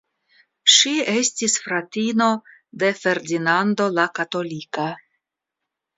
Ŝi estis fratino de Ferdinando la Katolika.